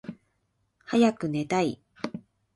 はやくねたい